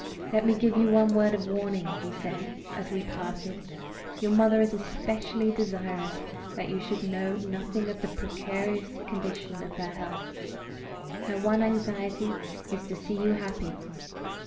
"Let me give you one word of warning," he said, as we parted. "Your mother is especially desirous that you should know nothing of the precarious condition of her health. Her one anxiety is to see you happy.